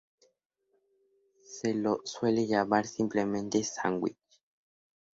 Se lo suele llamar simplemente sándwich.